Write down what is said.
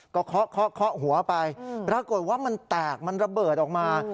ก็เคาะเคาะหัวไปปรากฏว่ามันแตกมันระเบิดออกมา